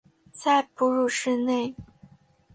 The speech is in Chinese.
在哺乳室内